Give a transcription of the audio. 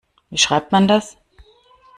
Wie schreibt man das?